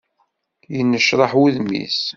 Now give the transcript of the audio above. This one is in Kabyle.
Yennecraḥ wudem-is.